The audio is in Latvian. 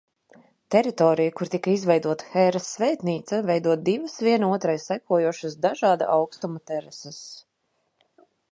Teritoriju, kur tika izveidota Hēras svētnīca, veido divas viena otrai sekojošas dažāda augstuma terases.